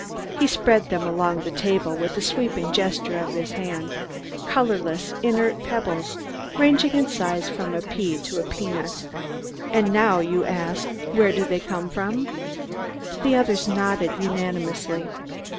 He spread them along the table with a sweeping gesture of his hand, colorless, inert pebbles, ranging in size from a pea to a peanut. "And now, you ask, where do they come from?" The others nodded unanimously.